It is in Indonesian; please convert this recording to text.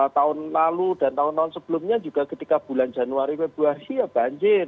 tahun lalu dan tahun tahun sebelumnya juga ketika bulan januari februari ya banjir